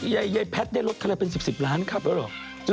ไยแพทย์ได้รถคำนาคารเป็น๑๐ล้านขับแล้วหรือ